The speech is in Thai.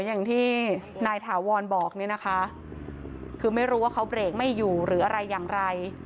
อย่างที่นายถาวรบอกเนี่ยนะคะคือไม่รู้ว่าเขาเบรกไม่อยู่หรืออะไรอย่างไร